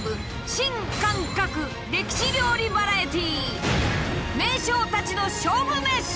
新感覚歴史料理バラエティ！